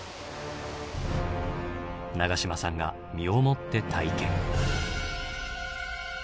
永島さんが身をもって体験。